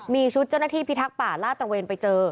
มีชุดเจ้าหน้าที่พิทักษ์ป่าลาดตระเวนไปเจอ